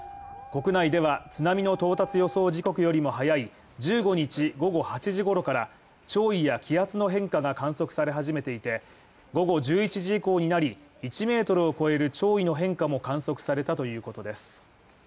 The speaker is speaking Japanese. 国内では、津波の到達予想時刻よりも早い１５日午後８時ごろから潮位や気圧の変化が観測され始めていて、午後１１時以降になり、１ｍを超える潮位の変化も観測されたということです。